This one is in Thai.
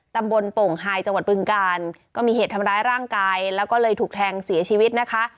โป่งไฮจังหวัดบึงกาลก็มีเหตุทำร้ายร่างกายแล้วก็เลยถูกแทงเสียชีวิตนะคะ